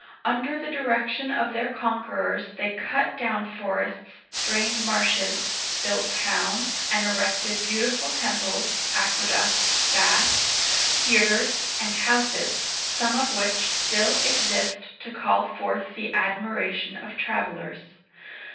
Under the direction of their conquerors they cut down forests, drained marshes, built towns, and erected beautiful tem ples, aqueducts, baths, theaters, and houses, some of which still exist to call forth the admiration of travelers.